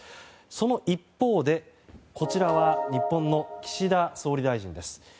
その一方で、こちらは日本の岸田総理大臣です。